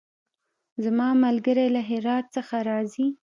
زما ملګری له هرات څخه راځی